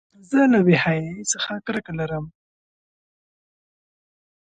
زه له بېحیایۍ څخه کرکه لرم.